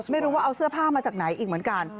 ไม่รู้ว่าเอาเสื้อผ้ามาจากไหนอีกเหมือนกัน